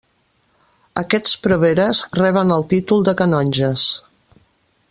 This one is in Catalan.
Aquests preveres reben el títol de canonges.